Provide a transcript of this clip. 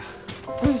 うん。